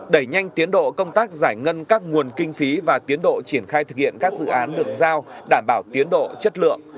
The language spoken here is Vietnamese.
đẩy nhanh tiến độ công tác giải ngân các nguồn kinh phí và tiến độ triển khai thực hiện các dự án được giao đảm bảo tiến độ chất lượng